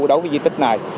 đối với di tích này